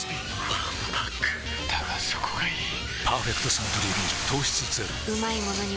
わんぱくだがそこがいい「パーフェクトサントリービール糖質ゼロ」